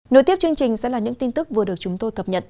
nối tiếp chương trình sẽ là những tin tức vừa được chúng tôi cập nhật